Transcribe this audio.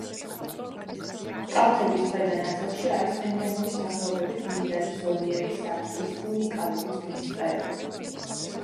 კალთების ქვედა ნაწილში არის ენდემური სახეობებით მდიდარი ზომიერი სარტყლის უნიკალური წვიმის ტყეები.